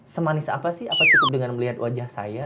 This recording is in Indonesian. semanis apa sih apa cukup dengan melihat wajah saya